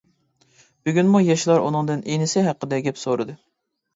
بۈگۈنمۇ ياشلار ئۇنىڭدىن ئىنىسى ھەققىدە گەپ سورىدى.